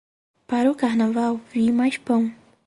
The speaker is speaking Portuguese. Para o Carnaval, vi mais pão.